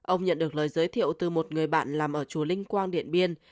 ông nhận được lời giới thiệu từ một người bạn làm ở chùa linh quang điện biên